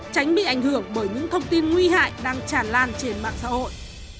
tránh bị ảnh hưởng bởi những thông tin nguy hại đang tràn lan trên mạng xã hội